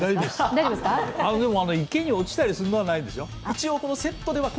池に落ちるのはないんでしょ？